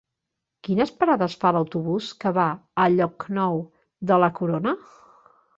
Quines parades fa l'autobús que va a Llocnou de la Corona?